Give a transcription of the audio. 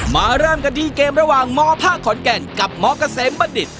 มาเริ่มกันดีเกมระหว่างมภขอนแกนกับมกะเสมบัดดิด